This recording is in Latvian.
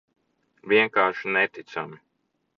Vienkārši neticami.